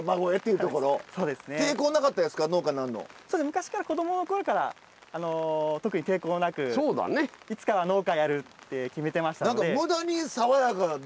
昔から子供のころから特に抵抗なくいつかは農家やるって決めてましたので。